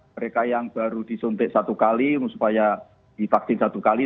mereka yang baru disuntik satu kali supaya divaksin satu kali